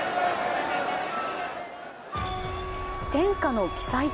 天下の奇祭